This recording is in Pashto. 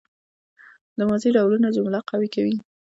د ماضي ډولونه جمله قوي کوي.